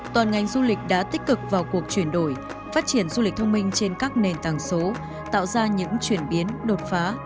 toàn ngành du lịch đã tích cực vào cuộc chuyển đổi phát triển du lịch thông minh trên các nền tảng số tạo ra những chuyển biến đột phá